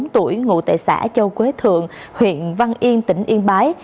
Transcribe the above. bốn mươi tuổi ngụ tại xã châu quế thượng huyện văn yên tỉnh yên bái